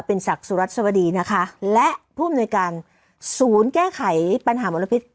เป็นศักดิ์สุรัสวดีนะคะและผู้อำนวยการศูนย์แก้ไขปัญหามลพิษ